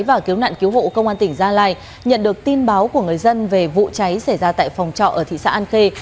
và cứu nạn cứu hộ công an tỉnh gia lai nhận được tin báo của người dân về vụ cháy xảy ra tại phòng trọ ở thị xã an khê